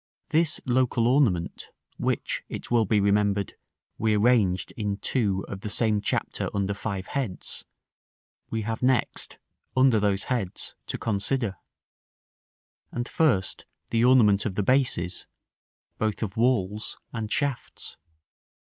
This local ornament, which, it will be remembered, we arranged in § II. of the same chapter under five heads, we have next, under those heads, to consider. And, first, the ornament of the bases, both of walls and shafts.